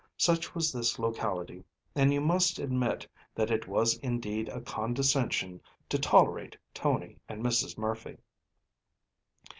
Such was this locality, and you must admit that it was indeed a condescension to tolerate Tony and Mrs. Murphy.